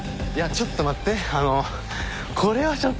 ちょっと待って。